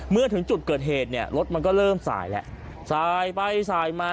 เมื่อถึงจุดเกิดเหตุเนี่ยรถมันก็เริ่มสายแล้วสายไปสายมา